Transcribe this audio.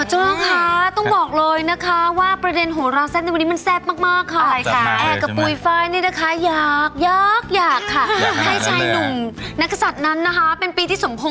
จะมาอัปเดตดูให้กับเราในวันนี้